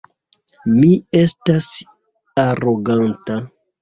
Mi estas aroganta.